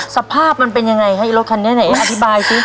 สภาพมันเป็นยังไงคะรถคันแน่อธิบายสิ